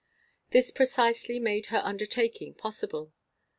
This precisely made her undertaking possible.